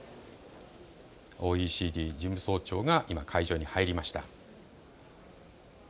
ＯＥＣＤ事務総長が今、会場に入りました。